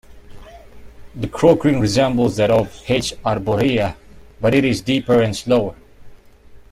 The croaking resembles that of "H. arborea", but it is deeper and slower.